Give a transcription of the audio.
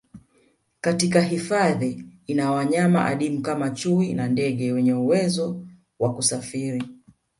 Katika hifadhi ina wanyama adimu kama chui na ndege wenye uwezo wa kusafiri